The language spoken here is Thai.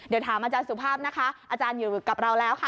เดี๋ยวถามอาจารย์สุภาพนะคะอาจารย์อยู่กับเราแล้วค่ะ